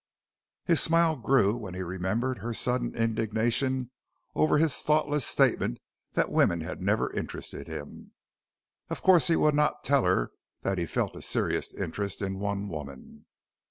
His smile grew when he remembered her sudden indignation over his thoughtless statement that women had never interested him. Of course he would not tell her that he felt a serious interest in one woman.